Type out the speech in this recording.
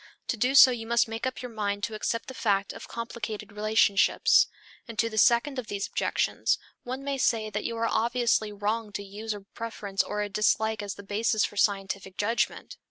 To do so you must make up your mind to accept the fact of complicated relationships. And to the second of these objections one may say that you are obviously wrong to use a preference or a dislike as the basis for a scientific judgment.